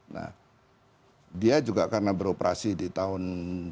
nah dia juga karena beroperasi di tahun dua ribu dua puluh lima